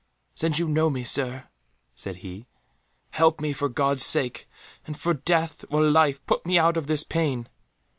"Since you know me, Sir," said he, "help me for God's sake, and for death or life put me out of this pain."